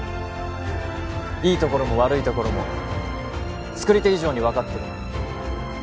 いいところも悪いところも作り手以上に分かってる